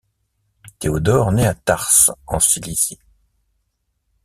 Théodore naît à Tarse en Cilicie.